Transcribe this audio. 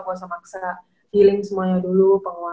gak usah maksa healing semuanya dulu